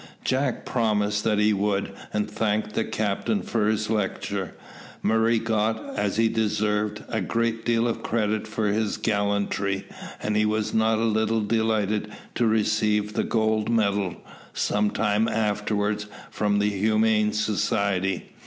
Jack promised that he would, and thanked the captain for his lecture. Murray got, as he deserved, a great deal of credit for his gallantry; and he was not a little delighted to receive the gold medal, some time afterwards, from the Humane Society.